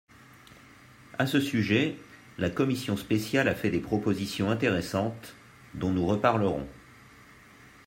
À ce sujet, la commission spéciale a fait des propositions intéressantes, dont nous reparlerons.